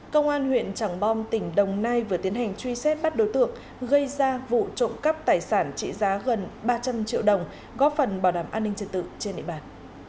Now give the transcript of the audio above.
công an huyện tràng bom tỉnh đồng nai vừa tiến hành truy xét bắt đối tượng gây ra vụ trộm cắp tài sản trị giá gần ba trăm linh triệu đồng góp phần bảo đảm an ninh trật tự trên địa bàn